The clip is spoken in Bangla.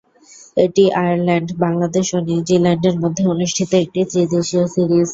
এটি আয়ারল্যান্ড, বাংলাদেশ ও নিউজিল্যান্ডের মধ্যে অনুষ্ঠিত একটি ত্রিদেশীয় সিরিজ।